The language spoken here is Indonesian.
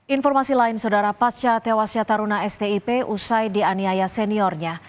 informasi lain saudara pasca tewasnya taruna stip usai dianiaya seniornya